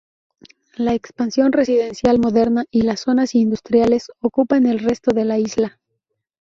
La expansión residencial moderna y las zonas industriales ocupan el resto de la isla.